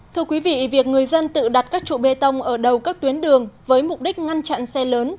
thưa quý vị việc người dân tự đặt các trụ bê tông ở đầu các tuyến đường với mục đích ngăn chặn xe lớn